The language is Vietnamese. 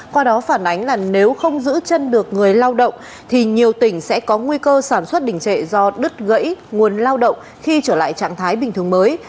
qua đó phản ánh là nếu không giữ chân được người lao động thì nhiều tỉnh sẽ có nguy cơ sản xuất đình trệ do đứt gãy nguồn lao động khi trở lại trạng thái bình thường mới